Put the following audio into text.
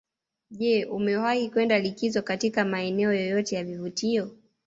Je umewahi kwenda likizo katika maeneo yoyote ya vivutio